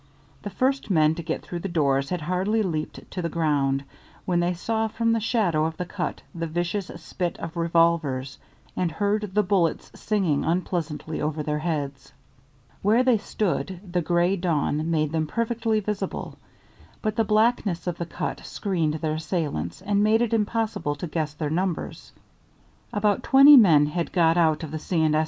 The first men to get through the doors had hardly leaped to the ground when they saw from the shadow of the cut the vicious spit of revolvers and heard the bullets singing unpleasantly over their heads. Where they stood the gray dawn made them perfectly visible, but the blackness of the cut screened their assailants and made it impossible to guess their numbers. About twenty men had got out of the C. & S.